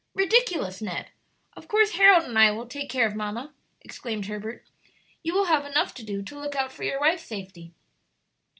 "Ridiculous, Ned! of course, Harold and I will take care of mamma," exclaimed Herbert. "You will have enough to do to look out for your wife's safety."